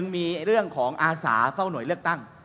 มีเรื่องของอาสาเฝ้าหน่วยเลือกตั้ง